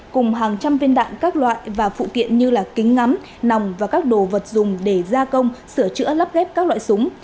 cùng hàng trăm viên đạn các loại và phụ kiện như kính ngắm nòng và các đồ vật dùng để gia công sửa chữa lắp ghép các loại súng